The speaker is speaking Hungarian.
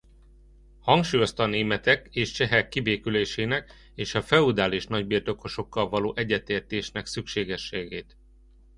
Hangsúlyozta a németek és csehek kibékülésének és a feudális nagybirtokosokkal való egyetértésnek szükségességét.